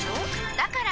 だから！